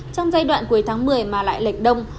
trong giai đoạn cuối tháng một mươi mà lại lệch đông